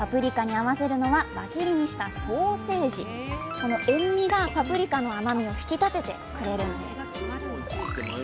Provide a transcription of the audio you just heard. この塩味がパプリカの甘みを引き立ててくれるんです。